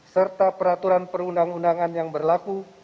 serta peraturan perundang undangan yang berlaku